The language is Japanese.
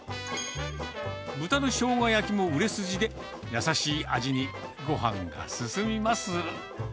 豚のしょうが焼きも売れ筋で、優しい味に、ごはんが進みます。